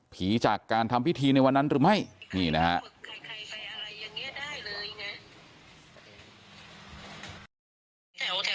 ผีจากการทำพิธีในวันนั้นหรือไม่นี่นะฮะ